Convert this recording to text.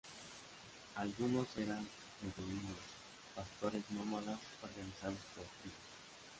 Algunos eran beduinos, pastores nómadas organizados por tribus.